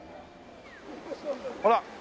ほら。